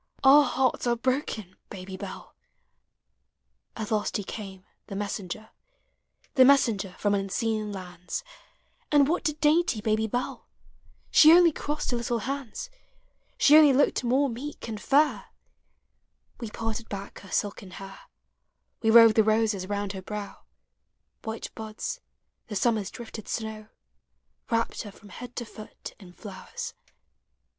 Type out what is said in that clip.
Our hearts are broken, Baby Bell! POEMS OF HOME. VII. At last he eaine, the messenger, The messenger from unseen lauds: And what did dainty Baby Dell? She only crossed her little bauds, She ouly looked more meek aud fair! We parted back her silken hair, We wove the roses round her brow — White buds, the summer's drifted suow — Wrapt her from head to foot in flowers